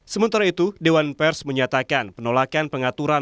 sementara itu dewan pers menyatakan penolakan pengaturan